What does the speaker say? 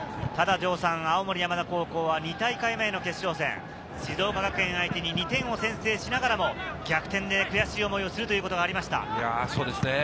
青森山田高校は２大会目の決勝戦、静岡学園相手に２点を先制しながらも、逆転で悔しい思いをするということがありました。